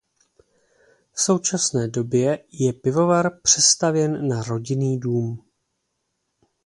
V současné době je pivovar přestavěn na rodinný dům.